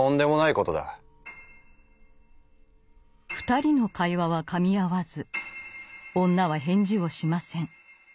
２人の会話はかみ合わず女は返事をしません。